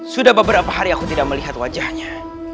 sudah beberapa hari aku tidak melihat wajahnya